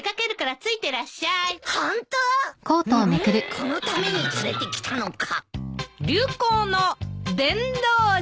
このために連れてきたのか。